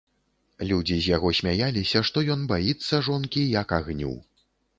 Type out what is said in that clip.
Людзі з яго смяяліся, што ён баіцца жонкі, як агню.